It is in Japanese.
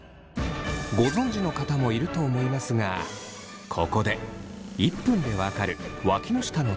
ご存じの方もいると思いますがここで１分で分かるわきの下の特徴。